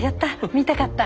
見たかった。